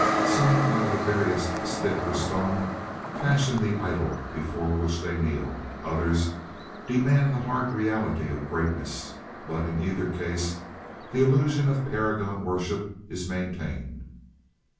Some, out of the veriest stick or stone, fashion the idol before which they kneel, others demand the hard reality of greatness; but in either case the illusion of paragon worship is maintained.